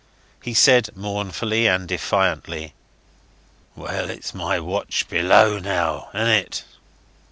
He said mournfully and defiantly, "Well, it's my watch below now: ain't it?"